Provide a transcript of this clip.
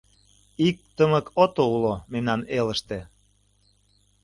Ик тымык ото уло мемнан элыште.